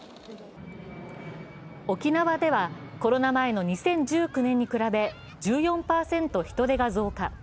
沖縄ではコロナ前の２０１９年に比べ１４％人出が増加。